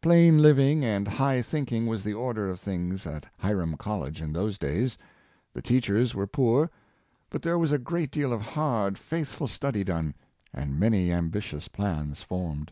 Plain living and high thinking was the order of things at Hiram College in those days. The teachers were poor, but there was a great deal of hard, faithful study done, and many ambi tious plans formed.